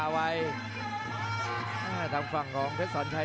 ด้วยศอกเลยครับสนานเพชรศัลชัย